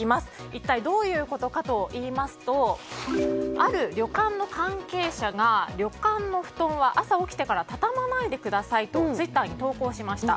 一体どういうことかといいますとある旅館の関係者が旅館の布団は朝起きてから畳まないでくださいと投稿しました。